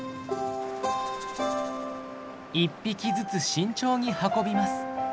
１匹ずつ慎重に運びます。